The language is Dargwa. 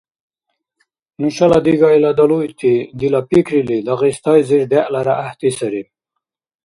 Нушала дигайла далуйти, дила пикрили Дагъистайзир дегӀлара гӀяхӀти сари